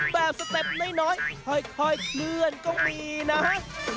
สเต็ปน้อยค่อยเคลื่อนก็มีนะ